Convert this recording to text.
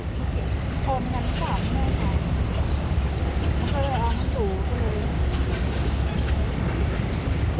เข้าไปรับสู่